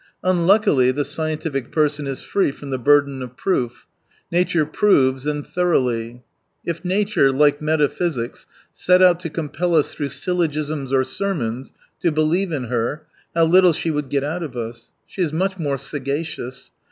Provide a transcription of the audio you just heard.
Un luckily the scientific person is free from the burden of proof : nature proves, and thor oughly. If nature, like metaphysics, set out to compel us through syllogisms or sermons to believe in her, how Kttle she would get out of us. She is much more sagacious.